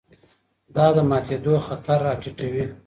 دا د ماتېدو خطر راټیټوي.